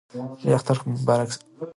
لوی اختر مو مبارک سه!